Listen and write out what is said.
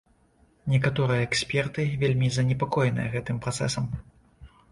Некаторыя эксперты вельмі занепакоеныя гэтым працэсам.